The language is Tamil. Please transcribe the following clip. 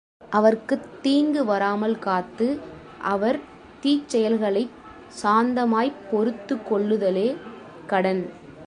அவர்க்குத் தீங்கு வராமல் காத்து அவர் தீச்செயல்களைச் சாந்தமாய்ப் பொறுத்துக் கொள்ளுதலே கடன்.